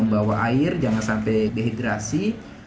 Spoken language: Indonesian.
membawa air jangan sampai dehidrasi